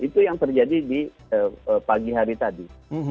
itu yang terjadi di pagi hari tadi